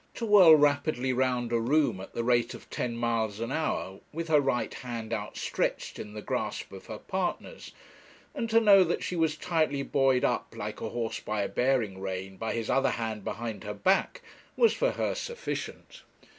To whirl rapidly round a room at the rate of ten miles an hour, with her right hand outstretched in the grasp of her partner's, and to know that she was tightly buoyed up, like a horse by a bearing rein, by his other hand behind her back, was for her sufficient.